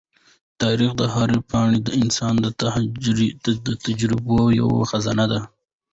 د تاریخ هره پاڼه د انسان د تجربو یوه خزانه ده.